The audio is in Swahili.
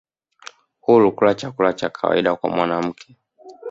huru kula chakula cha kawaida kwa mwanamke